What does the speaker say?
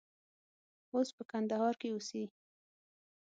اوس په کندهار کې اوسي.